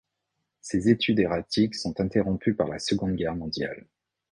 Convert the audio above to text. Ses études erratiques sont interrompues par la Seconde Guerre mondiale.